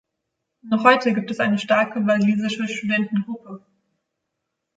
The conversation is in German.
Noch heute gibt es eine starke walisische Studentengruppe.